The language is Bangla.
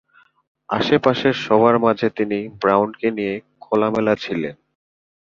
আশেপাশের সবার মাঝে তিনি ব্রাউনকে নিয়ে খোলামেলা ছিলেন।